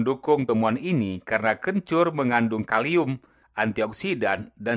buku buku ini rel dengan delik itu setelah diri meng spokesperson